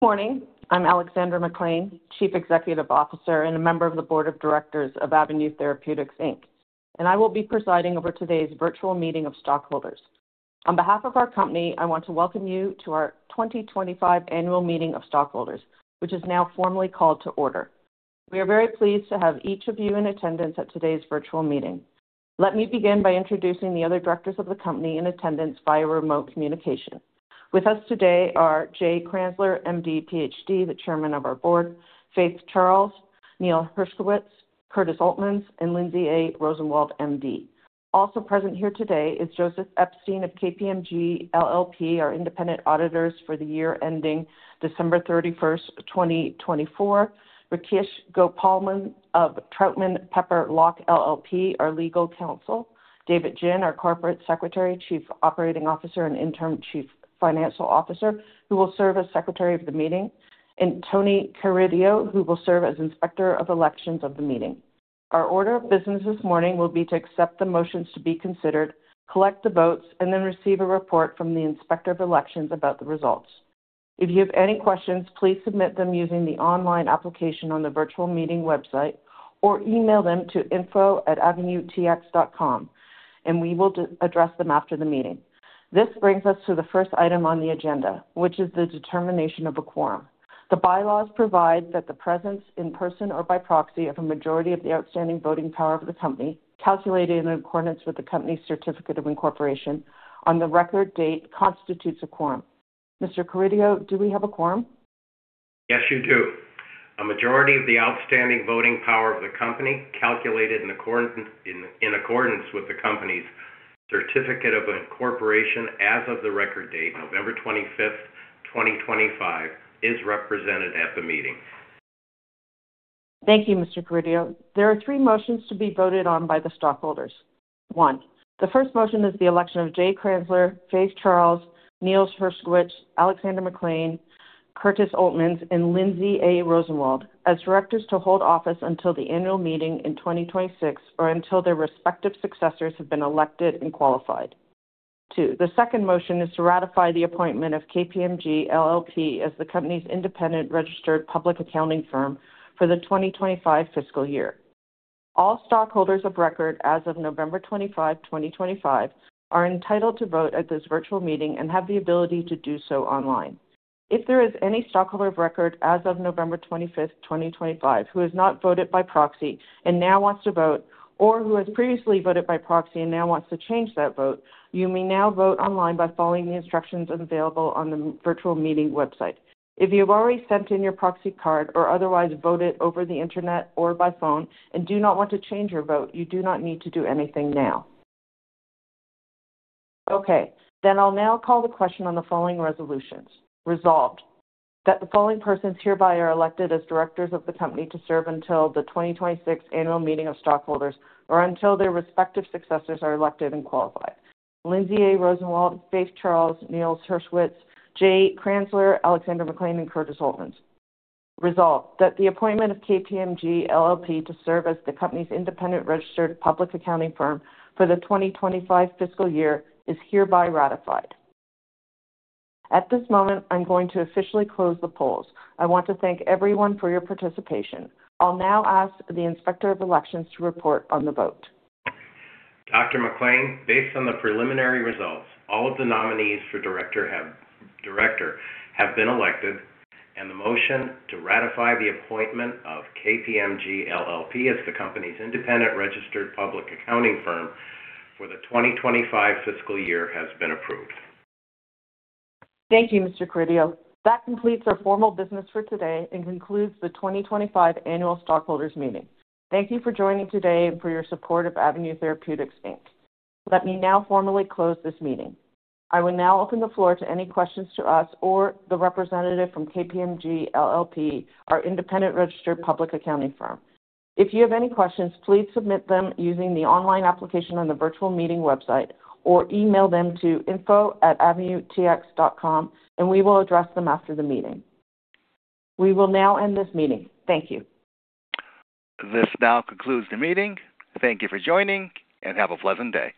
Morning. I'm Alexandra MacLean, Chief Executive Officer and a member of the Board of Directors of Avenue Therapeutics Inc, and I will be presiding over today's virtual meeting of stockholders. On behalf of our company, I want to welcome you to our 2025 Annual Meeting of Stockholders, which is now formally called to order. We are very pleased to have each of you in attendance at today's virtual meeting. Let me begin by introducing the other directors of the company in attendance via remote communication. With us today are Jay Kranzler, M.D., Ph.D., the Chairman of our Board, Faith Charles, Neil Herskowitz, Curtis Oltmans, and Lindsay A. Rosenwald, M.D. Also present here today is Joseph Epstein of KPMG LLP, our independent auditors for the year ending December 31st, 2024. Rakesh Gopalan of Troutman Pepper Hamilton Sanders LLP, our legal counsel. David Jin, our Corporate Secretary, Chief Operating Officer, and Interim Chief Financial Officer, who will serve as Secretary of the Meeting. And Tony Carideo, who will serve as Inspector of Elections of the Meeting. Our order of business this morning will be to accept the motions to be considered, collect the votes, and then receive a report from the Inspector of Elections about the results. If you have any questions, please submit them using the online application on the virtual meeting website or email them to info@avenuetx.com, and we will address them after the meeting. This brings us to the first item on the agenda, which is the determination of a quorum. The bylaws provide that the presence, in person or by proxy, of a majority of the outstanding voting power of the company, calculated in accordance with the company's certificate of incorporation on the record date, constitutes a quorum. Mr. Carideo, do we have a quorum? Yes, you do. A majority of the outstanding voting power of the company, calculated in accordance with the company's certificate of incorporation as of the record date, November 25th, 2025, is represented at the meeting. Thank you, Mr. Carideo. There are three motions to be voted on by the stockholders. One, the first motion is the election of Jay Kranzler, Faith Charles, Neil Herskowitz, Alexandra MacLean, Curtis Oltmans, and Lindsay A. Rosenwald as directors to hold office until the annual meeting in 2026 or until their respective successors have been elected and qualified. Two, the second motion is to ratify the appointment of KPMG LLP as the company's independent registered public accounting firm for the 2025 fiscal year. All stockholders of record as of November 25, 2025, are entitled to vote at this virtual meeting and have the ability to do so online. If there is any stockholder of record as of November 25th, 2025, who has not voted by proxy and now wants to vote, or who has previously voted by proxy and now wants to change that vote, you may now vote online by following the instructions available on the virtual meeting website. If you have already sent in your proxy card or otherwise voted over the internet or by phone and do not want to change your vote, you do not need to do anything now. Okay. Then I'll now call the question on the following resolutions. Resolved that the following persons hereby are elected as directors of the company to serve until the 2026 Annual Meeting of Stockholders or until their respective successors are elected and qualified: Lindsay A. Rosenwald, Faith Charles, Neil Herskowitz, Jay Kranzler, Alexandra MacLean, and Curtis Oltmans. Resolved that the appointment of KPMG LLP to serve as the company's independent registered public accounting firm for the 2025 fiscal year is hereby ratified. At this moment, I'm going to officially close the polls. I want to thank everyone for your participation. I'll now ask the Inspector of Elections to report on the vote. Dr. MacLean, based on the preliminary results, all of the nominees for director have been elected, and the motion to ratify the appointment of KPMG LLP as the company's independent registered public accounting firm for the 2025 fiscal year has been approved. Thank you, Mr. Carideo. That completes our formal business for today and concludes the 2025 Annual Stockholders' Meeting. Thank you for joining today and for your support of Avenue Therapeutics Inc. Let me now formally close this meeting. I will now open the floor to any questions to us or the representative from KPMG LLP, our independent registered public accounting firm. If you have any questions, please submit them using the online application on the virtual meeting website or email them to info@avenuetx.com, and we will address them after the meeting. We will now end this meeting. Thank you. This now concludes the meeting. Thank you for joining, and have a pleasant day.